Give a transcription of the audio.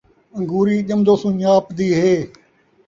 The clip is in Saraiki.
ان٘گوری ڄمدو سن٘ڄاپدی ہے